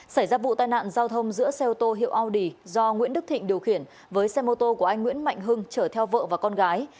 xảy ra vụ tai nạn giao thông giữa xe ô tô hiệu audi do nguyễn đức thịnh điều khiển với xe mô tô của anh nguyễn mạnh hưng chở theo vợ và con gái